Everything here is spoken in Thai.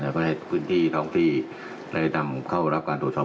ก็ได้พื้นที่ท้องที่ได้นำเข้ารับการตรวจสอบ